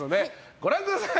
ご覧ください。